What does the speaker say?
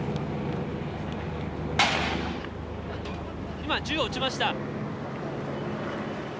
今銃を撃ちました。